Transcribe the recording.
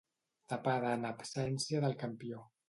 Tapada en absència del campió.